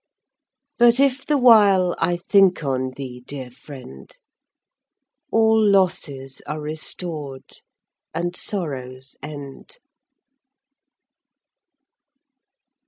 But if the while I think on thee, dear friend, All losses are restorâd and sorrows end.